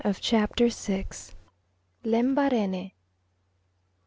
CHAPTER VI. LEMBARENE.